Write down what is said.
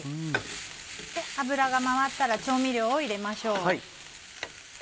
油が回ったら調味料を入れましょう。